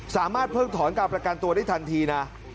สามารถเพิ่งถอนการประกันตัวได้ทันทีนะ